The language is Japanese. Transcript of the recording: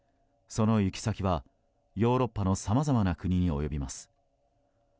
その行き先はヨーロッパのさまざまな国に及びます。